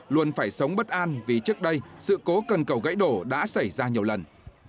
luôn phải sống bất an vì trước đây sự cố cần cầu gãy đổ đã xảy ra nhiều lần